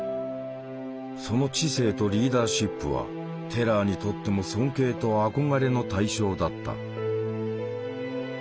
その知性とリーダーシップはテラーにとっても尊敬と憧れの対象だった。